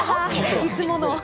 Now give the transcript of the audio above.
いつもの。